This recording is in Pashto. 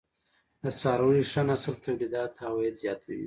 د څارويو ښه نسل تولیدات او عاید زیاتوي.